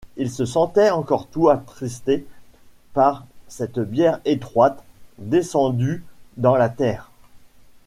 Il se sentait encore tout attristé par cette bière étroite, descendue dans la terre.